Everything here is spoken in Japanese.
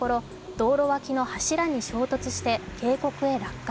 道路脇の柱に衝突して渓谷へ落下。